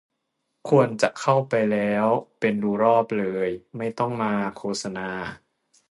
ควรจะเข้าไปแล้วเป็นดูรอบเลย ไม่ต้องมา โฆษณา